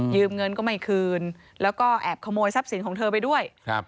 เงินก็ไม่คืนแล้วก็แอบขโมยทรัพย์สินของเธอไปด้วยครับ